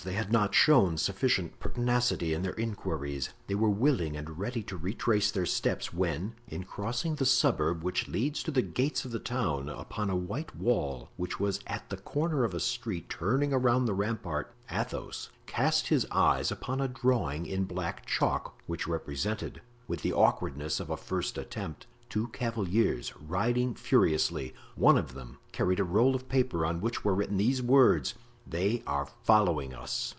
They had not shown sufficient pertinacity in their inquiries. They were willing and ready to retrace their steps, when, in crossing the suburb which leads to the gates of the town, upon a white wall which was at the corner of a street turning around the rampart, Athos cast his eyes upon a drawing in black chalk, which represented, with the awkwardness of a first attempt, two cavaliers riding furiously; one of them carried a roll of paper on which were written these words: "They are following us."